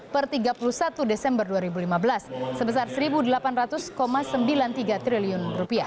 per tiga puluh satu desember dua ribu lima belas sebesar rp satu delapan ratus sembilan puluh tiga triliun